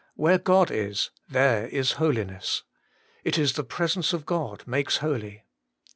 Where God is, there is holiness ; it is the presence of God makes holy.